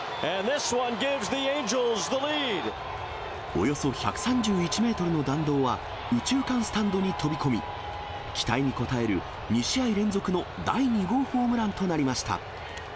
およそ１３１メートルの弾道は、右中間スタンドに飛び込み、期待に応える２試合連続の第２号ホームランとなりました。